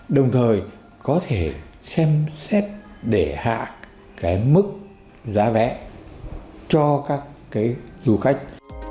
đồng thời có thể xem xét để hạ cái mức giá vé cho các cái du khách